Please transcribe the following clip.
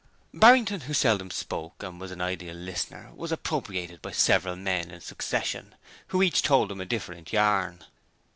Barrington, who seldom spoke and was an ideal listener, was appropriated by several men in succession, who each told him a different yarn.